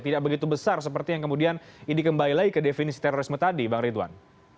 tidak begitu besar seperti yang kemudian ini kembali lagi ke definisi terorisme tadi bang ridwan